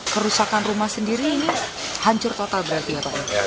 kerusakan rumah sendiri ini hancur total berarti ya pak